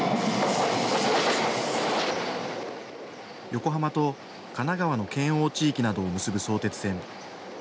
横浜と神奈川の県央地域などを結ぶ相鉄線。